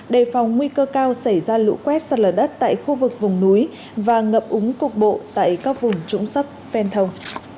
đề phòng nguy cơ cao xảy ra lũ quét sạt lở đất tại khu vực vùng núi và ngập úng cục bộ tại các vùng trũng thấp ven thông